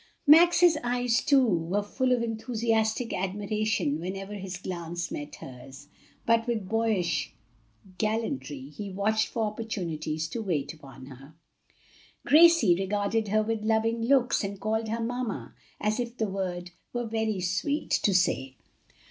Max's eyes too were full of enthusiastic admiration whenever his glance met hers, and with boyish gallantry he watched for opportunities to wait upon her. Gracie regarded her with loving looks and called her mamma, as if the word were very sweet to say.